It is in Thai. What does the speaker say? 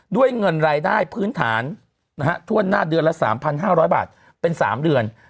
ด้วยเงินรายได้พื้นฐานทั่วหน้าเดือนละ๓๕๐๐บาทเป็น๓เดือน